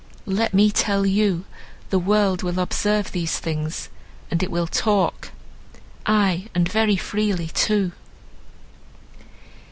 Let me tell you the world will observe those things, and it will talk, aye and very freely too."